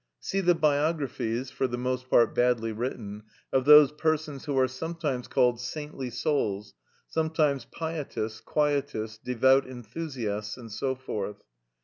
See the biographies, for the most part badly written, of those persons who are sometimes called saintly souls, sometimes pietists, quietists, devout enthusiasts, and so forth.